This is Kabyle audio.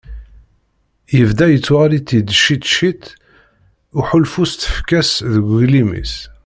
Yebda yettuɣal-itt-id ciṭ ciṭ uḥulfu s tfekka-s d uglim-is.